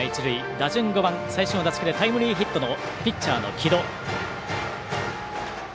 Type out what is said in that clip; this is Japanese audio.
打順５番、最初の打席でタイムリーヒットのピッチャーの城戸。